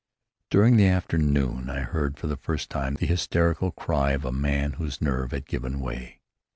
During the afternoon I heard for the first time the hysterical cry of a man whose nerve had given way.